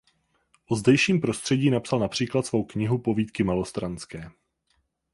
O zdejším prostředí napsal například svou knihu Povídky malostranské.